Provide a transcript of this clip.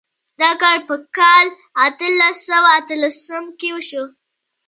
دا کار په کال اتلس سوه اتلسم کې وشو.